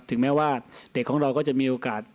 ถึงแม้ว่าเด็กของเราก็จะมีโอกาส